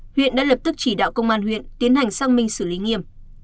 huyện đã lập tức chỉ đạo công an huyện tiến hành sang minh xử lý nghiêm